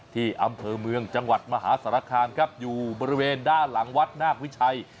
ที่อำเภอเมืองจังหวัดมหาสารคามครับอยู่บริเวณด้านหลังวัดนาควิชัย